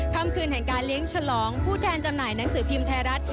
คำคืนแห่งการเลี้ยงฉลองผู้แทนจำหน่ายหนังสือพิมพ์ไทยรัฐ